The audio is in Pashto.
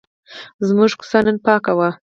زموږ کوڅه نن پاکه وه.